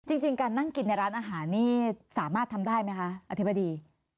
จริงการนั่งกินในร้านอาหารนี่สามารถทำได้ไหมคะอธิบดี